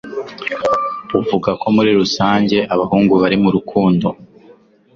buvuga ko muri rusange abahungu bari mu rukundo